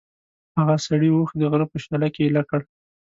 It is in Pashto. هغه سړي اوښ د غره په شېله کې ایله کړ.